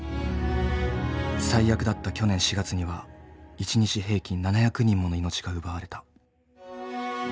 最悪だった去年４月には一日平均７００人もの命が奪われた。